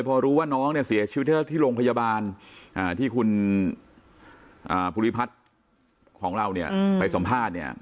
พอรู้ว่าน้องเนี่ยเสียชีวิตที่โรงพยาบาลที่คุณภูริพัฒน์ของเราเนี่ยไปสัมภาษณ์เนี่ย